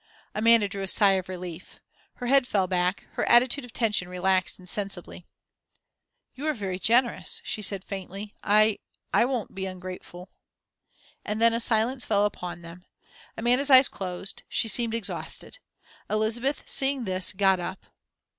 Amanda drew a sigh of relief. Her head fell back, her attitude of tension relaxed insensibly. "You are very generous," she said, faintly. "I I won't be ungrateful." And then a silence fell upon them. Amanda's eyes closed, she seemed exhausted. Elizabeth, seeing this, got up.